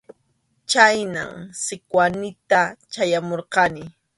Chhaynam Sikwanita chayamurqani.